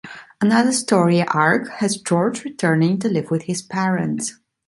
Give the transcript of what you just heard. Another story arc has George returning to live with his parents.